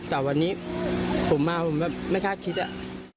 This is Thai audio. แต่วันนี้ผมมาผมแบบไม่คาดคิดอะ